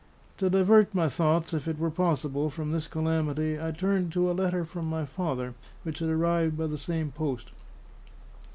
To divert my thoughts (if it were possible) from this calamity, I turned to a letter from my father which had arrived by the same post.